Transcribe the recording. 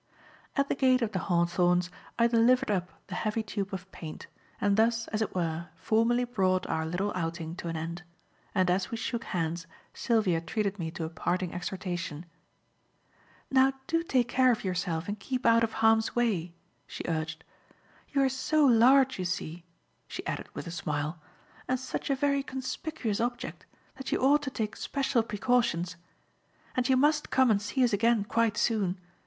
At the gate of "The Hawthorns" I delivered up the heavy tube of paint, and thus, as it were, formally brought our little outing to an end; and as we shook hands Sylvia treated me to a parting exhortation. "Now do take care of yourself and keep out of harm's way," she urged. "You are so large, you see," she added with a smile, "and such a very conspicuous object that you ought to take special precautions. And you must come and see us again quite soon.